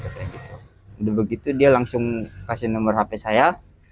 udah begitu dia langsung kasih nomor hp saya